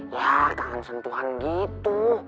ya kangen sentuhan gitu